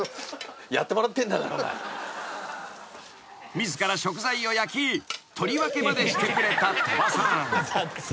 ［自ら食材を焼き取り分けまでしてくれた鳥羽さん］